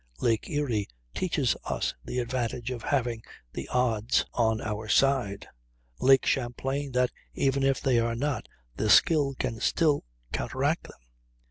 Lake Erie teaches us the advantage of having the odds on our side; Lake Champlain, that, even if they are not, skill can still counteract them.